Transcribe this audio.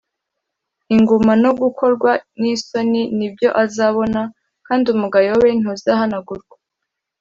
inguma no gukorwa n’isoni ni byo azabona, kandi umugayo we ntuzahanagurwa